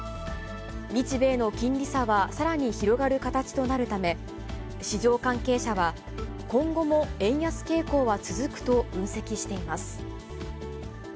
日米の金利差はさらに広がる形となるため、市場関係者は、今後も円安傾向は続くと分析しています。